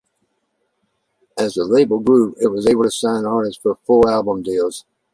As the label grew, it was able to sign artists for full album deals.